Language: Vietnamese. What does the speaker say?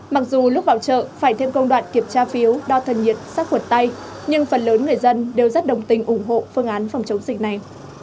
mặc dù lúc vào chợ phải thêm công đoạn kiểm tra phiếu đo thân nhiệt sát khuẩn tay nhưng phần lớn người dân đều rất đồng tình ủng hộ phương án phòng chống dịch này